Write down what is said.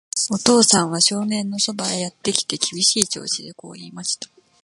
お父さんは少年のそばへやってきて、厳しい調子でこう言いました。